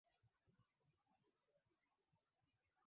Mchawi alichomwa na wanakijiji